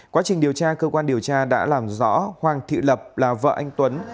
quá trình điều tra cơ quan điều tra đã làm rõ hoàng thị lập là vợ anh tuấn